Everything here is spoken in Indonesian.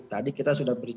tadi kita sudah berjelas